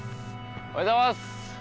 おはようございます。